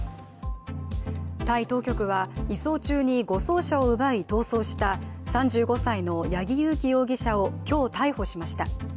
タイ当局は移送中に護送車を奪い逃走した３５歳の八木佑樹容疑者を今日逮捕しました。